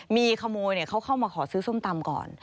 มีขโมยเขาเข้ามาขอซื้อส้มตำก่อน